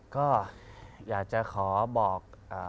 ก็อยากจะขอบอก